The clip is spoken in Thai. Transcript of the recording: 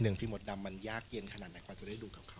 วิธีหนึ่งที่มดดำมันยากเย็นขนาดไหนความจะได้ดูกับเขา